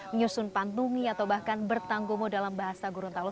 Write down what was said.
menyusun pantumi atau bahkan bertanggomo dalam bahasa gorontalo